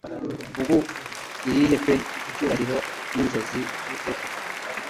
Ubu irihe pe icyubahiro ninzozi gute koko